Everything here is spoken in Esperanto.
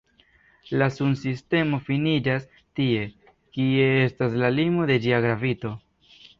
La Sunsistemo finiĝas tie, kie estas la limo de ĝia gravito.